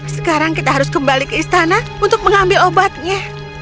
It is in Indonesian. sekarang kita harus kembali ke istana untuk mengambil obatnya